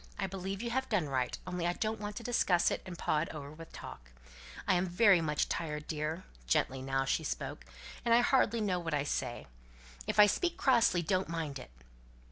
I believe you have done right. Only I don't want to discuss it, and paw it over with talk. I'm very much tired, dear" gently now she spoke "and I hardly know what I say. If I speak crossly, don't mind it."